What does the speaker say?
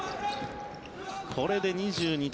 これで２２対